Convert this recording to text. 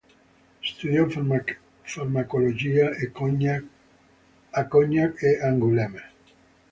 Studiò farmacologia a Cognac e Angoulême.